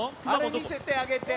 あれ見せてあげて。